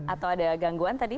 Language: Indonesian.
atau ada gangguan tadi